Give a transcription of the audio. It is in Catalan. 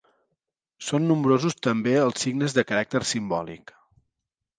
Són nombrosos també els signes de caràcter simbòlic.